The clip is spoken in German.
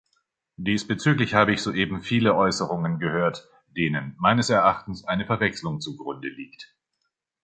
Diesbezüglich habe ich soeben viele Äußerungen gehört, denen meines Erachtens eine Verwechslung zugrunde liegt.